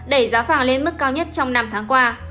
đẩy giá vàng lên mức cao nhất trong năm tháng qua